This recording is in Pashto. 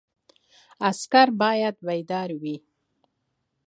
عسکر باید بیدار وي